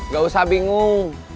gak usah bingung